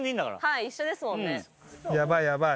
はい一緒ですもんね。